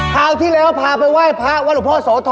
คราวที่แล้วพาไปไหว้พระวรุพสวทร